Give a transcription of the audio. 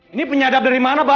ini penyadap dari mana pak